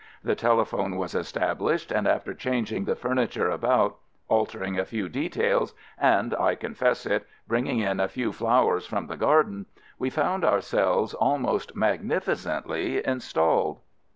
The telephone was established, and after changing the furniture about, altering a few details, and (I confess it) bringing in a few flowers from the garden, we found ourselves almost magnificently installed.